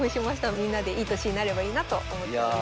みんなでいい年になればいいなと思っております。